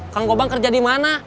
kang gobang kerja dimana